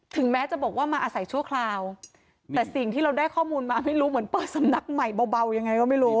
แม้จะบอกว่ามาอาศัยชั่วคราวแต่สิ่งที่เราได้ข้อมูลมาไม่รู้เหมือนเปิดสำนักใหม่เบายังไงก็ไม่รู้